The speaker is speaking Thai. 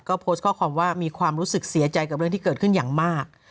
ก็โพสต์ข้อความว่ามีความรู้สึกเสียใจกับเรื่องที่เกิดขึ้นอย่างมาก